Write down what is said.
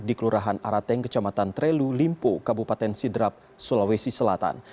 di kelurahan arateng kecamatan trelu limpu kabupaten sidrap sulawesi selatan